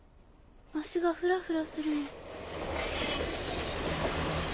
足がフラフラするの。